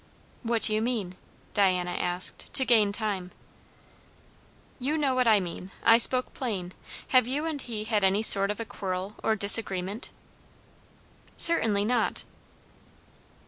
"What do you mean?" Diana asked, to gain time. "You know what I mean. I spoke plain. Have you and he had any sort of a quarrel or disagreement?" "Certainly not!"